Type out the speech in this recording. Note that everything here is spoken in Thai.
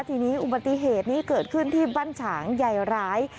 ทีนี้อุบัติเหตุนี้เกิดขึ้นที่บ้านฉางใหญ่ร้าย